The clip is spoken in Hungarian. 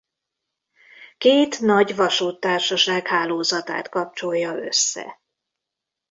Két nagy vasúttársaság hálózatát kapcsolja össze.